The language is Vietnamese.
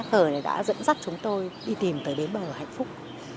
khởi này đã dẫn dắt chúng tôi đi tìm tới bến bờ hạnh phúc